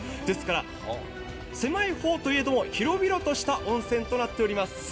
ですから狭い方といえども広々とした温泉となっております。